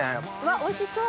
おいしそう。